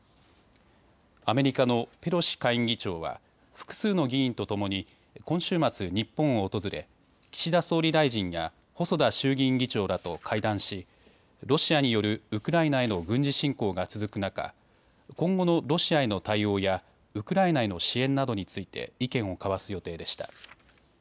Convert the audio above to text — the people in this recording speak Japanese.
アメリカのペロシ下院議長は複数の議員とともに今週末日本を訪れ、岸田総理大臣や細田衆議院議長らと会談しロシアによるウクライナへの軍事侵攻が続く中今後のロシアへの対応やウクライナへの支援などについて意見を交わす予定でした。